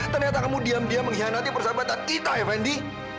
ternyata kamu diam diam mengkhianati persahabatan kita ya fendi